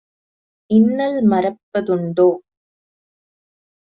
இன்னல் மறப்ப துண்டோ?"